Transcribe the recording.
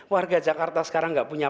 warga jakarta sekarang nggak punya